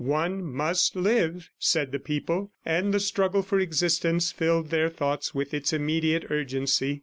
"One must live!" said the people, and the struggle for existence filled their thoughts with its immediate urgency.